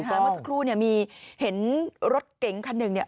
เมื่อสักครู่มีเห็นรถเก๋งคันหนึ่ง